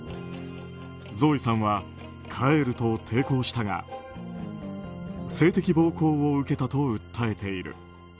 ゾーイさんは帰ると抵抗したが性的暴行を受けたと訴えている。